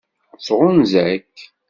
Tɣunza-k?